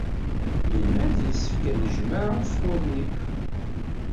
Yenna-d yessefk ad nejmeɛ ufur-nni.